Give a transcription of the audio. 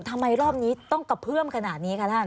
ทำไมรอบนี้ต้องกระเพื่อมขนาดนี้คะท่าน